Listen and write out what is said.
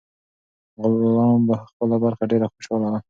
غلام په خپله برخه ډیر خوشاله و.